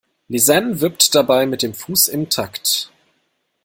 Lisann wippt dabei mit dem Fuß im Takt.